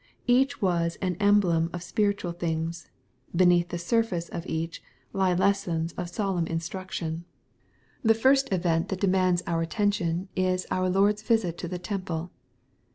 Each was an emblem of spiritual things. Beneath the surface of each^ lie lessons of solemn instruction. 268 EXPOSITORY THOUGHTS. The first event that demands our attention, is otif LorcFs visit to the temple.